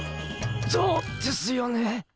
そうですよね。